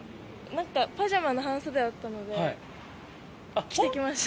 なんかパジャマの半袖あったので、着てきました。